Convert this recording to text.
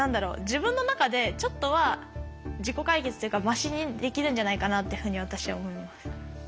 自分の中でちょっとは自己解決というかマシにできるんじゃないかなっていうふうに私は思います。